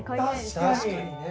確かにね。